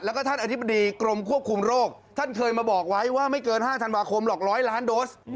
แล้วก็ท่านอธิบดีกรมควบคุมโรคท่านเคยมาบอกไว้ว่าไม่เกิน๕ธันวาคมหรอก๑๐๐ล้านโดส